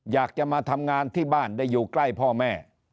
อยากจะมาทำงานที่บ้านได้อยู่ใกล้พ่อแม่